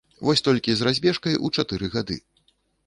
Вось толькі з разбежкай у чатыры гады.